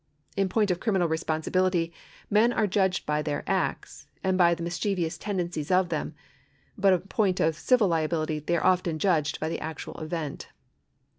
In point of criminal responsibility men are judged by their acts and by § 129] LIABILITY 329 the mischievous tendencies of them, but in point of civil liability they are often judged by the actual event.